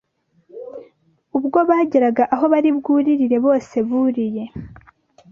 ubwobageraga aho baribwuririre bose buriye